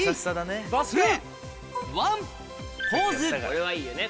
これはいいよね。